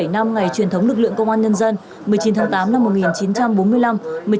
bảy mươi năm ngày truyền thống lực lượng công an nhân dân một mươi chín tháng tám năm một nghìn chín trăm bốn mươi năm